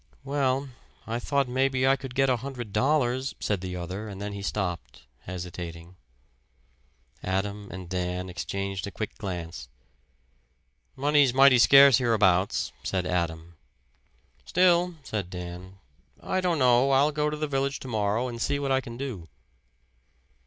"Well, I thought maybe I could get a hundred dollars," said the other and then he stopped, hesitating. Adam and Dan exchanged a quick glance. "Money's mighty scarce hereabouts," said Adam. "Still," said Dan, "I don't know, I'll go to the village tomorrow and see what I can do."